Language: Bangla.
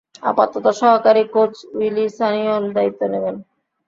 আপাতত সহকারী কোচ উইলি সানিওল দায়িত্ব নেবেন।